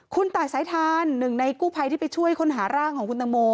คุณตายสายทานหนึ่งในกู้ภัยที่ไปช่วยค้นหาร่างของคุณตังโม